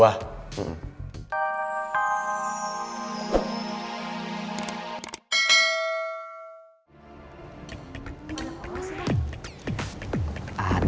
ada apa apa sih nek